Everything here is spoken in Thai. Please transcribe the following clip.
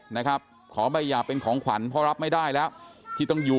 นะครับขอใบหย่าเป็นของขวัญเพราะรับไม่ได้แล้วที่ต้องอยู่